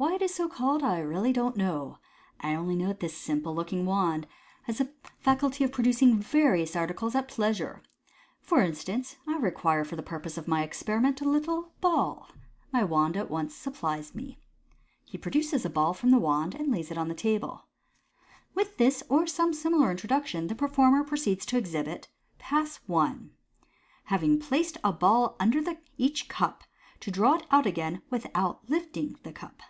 Why it is so called 1 really don't knowj I only know that this simple looking wand has the faculty of producing various articles at pleasure. For instance, I require for the purpose of my experiment a little ball. My wand at once supplies me." (He produces a ball from the wand, and lays it on the table.) With this or some similar introduction, the performer proceeds to exhibit Pass I. Having Placed a Ball under each Cur, to draw it out again without Lifting the Cup.